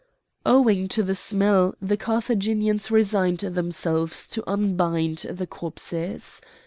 Owing to the smell the Carthaginians resigned themselves to unbind the corpses.